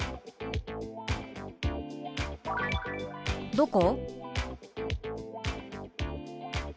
「どこ？」。